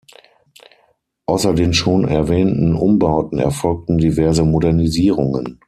Außer den schon erwähnten Umbauten erfolgten diverse Modernisierungen.